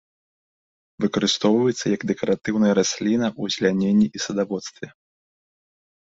Выкарыстоўваецца як дэкаратыўная расліна ў азеляненні і садаводстве.